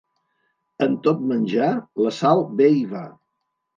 En tot menjar la sal bé hi va.